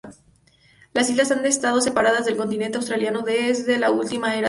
Las islas han estado separadas del continente australiano desde la última era de hielo.